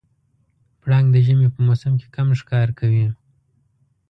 پړانګ د ژمي په موسم کې کم ښکار کوي.